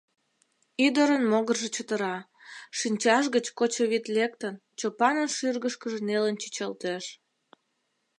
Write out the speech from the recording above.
Ӱдырын могыржо чытыра, шинчаж гыч, кочо вӱд лектын, Чопанын шӱргышкыжӧ нелын чӱчалтеш...